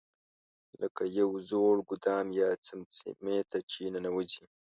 لکه یو زوړ ګودام یا څمڅې ته چې ننوځې.